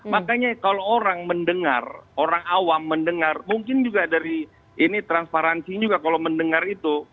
makanya kalau orang mendengar orang awam mendengar mungkin juga dari ini transparansi juga kalau mendengar itu